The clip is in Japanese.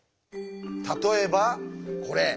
例えばこれ。